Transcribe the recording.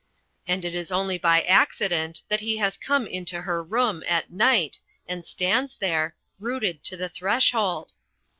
And it is only by accident that he has come into her room, at night, and stands there rooted to the threshold.